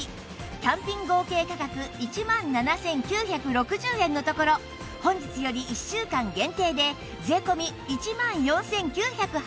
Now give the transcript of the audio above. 単品合計価格１万７９６０円のところ本日より１週間限定で税込１万４９８０円です